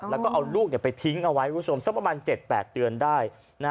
แล้วก็เอาลูกไปทิ้งเอาไว้คุณผู้ชมสักประมาณ๗๘เดือนได้